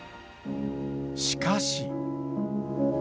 しかし。